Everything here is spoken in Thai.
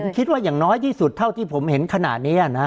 คิดว่าอย่างน้อยที่สุดเท่าที่ผมเห็นขนาดนี้นะ